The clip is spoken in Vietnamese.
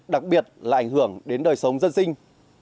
đặc biệt là ảnh hưởng đến đời sống dân sinh